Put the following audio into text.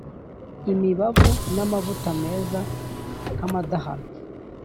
n’imibavu n’amavuta meza nk’amadahano,